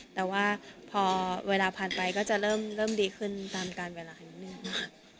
แต่ว่าพอเวลาผ่านไปก็จะเริ่มเริ่มดีขึ้นตามการเวลาแบบนี้หนึ่งค่ะ